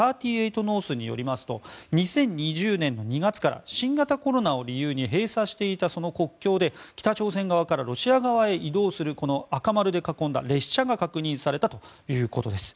ノースによりますと２０２０年の２月から新型コロナを理由に閉鎖していたその国境で北朝鮮側からロシア側へ移動する赤丸で囲んだ列車が確認されたということです。